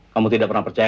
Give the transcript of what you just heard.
kamu tidak pernah percaya